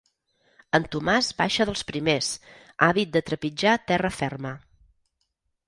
El Tomàs baixa dels primers, àvid de trepitjar terra ferma.